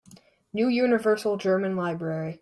New Universal German Library